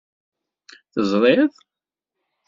Teẓriḍ?